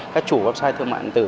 các chủ website thương mại ẩn tử